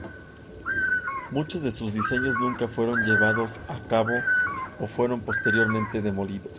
Muchos de sus diseños nunca fueron llevados a cabo o fueron posteriormente demolidos.